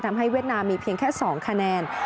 เวียดนามมีเพียงแค่๒คะแนน